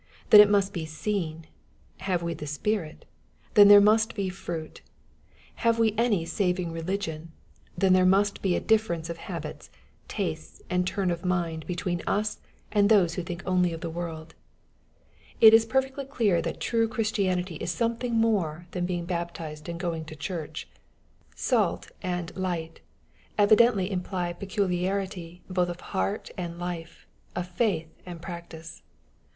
Then it must be seen* Have we the Spirit ? Then there must be fruitf Have we any saving religion ? Then there must be a difference of habits, tastes, and turn of mind, Detween us and those who think only of the world. Tt MATTHEW, CHAP. V. 3^ h perfectly clear that true Christianity is something more than being baptized and going to church. " Bait" and " light " evidently imply peculiarity both of heart and life, of faith and practice.